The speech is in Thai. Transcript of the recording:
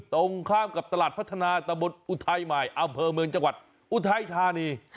ตรงข้ามกับตลาดพัฒนาตะบนอุทัยใหม่อำเภอเมืองจังหวัดอุทัยธานี